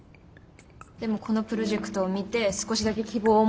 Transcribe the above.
でもこのプロジェクトを見て少しだけ希望を。